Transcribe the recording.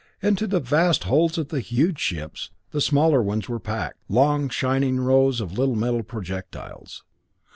Into the vast holds of the huge ships the smaller ones were packed, long shining rows of little metal projectiles.